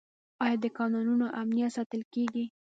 آیا د کانونو امنیت ساتل کیږي؟